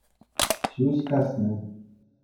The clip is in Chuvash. Ҫӳҫ касни.